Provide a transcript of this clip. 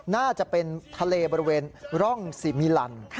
น่าจะเป็นทะเลบริเวณร่องสิมิลัน